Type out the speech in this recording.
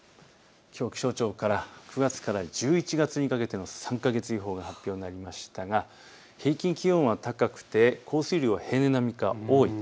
きょう気象庁から９月から１１月にかけての３か月予報が発表になりましたが平均気温は高くて降水量は平年並みか多い。